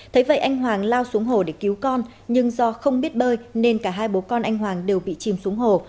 thế vậy anh hoàng lao xuống hồ để cứu con nhưng do không biết bơi nên cả hai bố con anh hoàng đều bị chìm xuống hồ